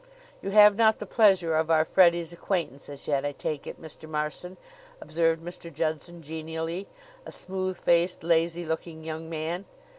"You have not the pleasure of our Freddie's acquaintance as yet, I take it, Mr. Marson?" observed Mr. Judson genially, a smooth faced, lazy looking young man.